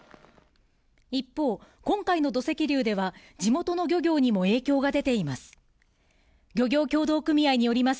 一方、今回の土石流では地元の漁業にも影響が出ています。